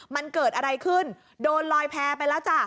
มันเกิดอะไรขึ้นโดนลอยแพ้ไปแล้วจ้ะ